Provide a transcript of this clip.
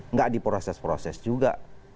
nggak diproses proses juga